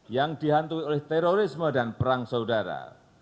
yang dihantui oleh terorisme dan perang saudara